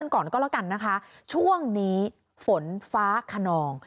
ก่อนก็แล้วกันนะคะช่วงนี้ฝนฟ้าขนอง